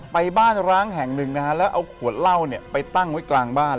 ไปบ้านร้างแห่งหนึ่งนะฮะแล้วเอาขวดเหล้าเนี่ยไปตั้งไว้กลางบ้าน